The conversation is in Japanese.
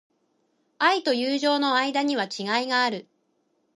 愛と友情の間には違いがある。